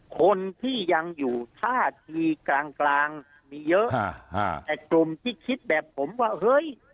คนที่ยังอยู่ท่าทีกลางกลางมีเยอะแต่กลุ่มที่คิดแบบผมว่าเฮ้ย